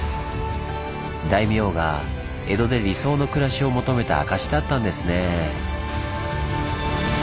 大名が江戸で理想の暮らしを求めた証しだったんですねぇ。